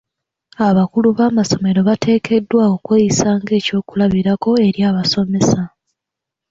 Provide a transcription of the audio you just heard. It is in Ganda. Abakulu b'amasomero bateekeddwa okweyisa ng'ekyokulabirako eri abasomesa.